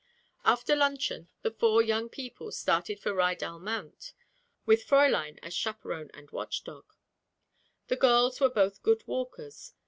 After luncheon the four young people started for Rydal Mount; with Fräulein as chaperon and watch dog. The girls were both good walkers.